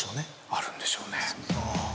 あるんでしょうね。